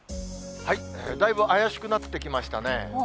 だいぶ怪しくなってきましたね。